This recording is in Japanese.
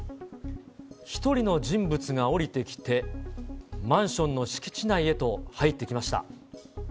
１人の人物が降りてきて、マンションの敷地内へと入っていきました。